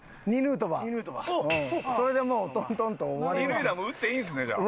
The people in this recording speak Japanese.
二塁打も打っていいんですねじゃあ。